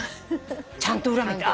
ちゃんと裏見て。